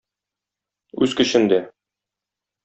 Үз көчендә.